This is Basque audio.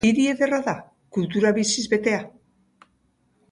Hiri ederra da, kultura biziz betea.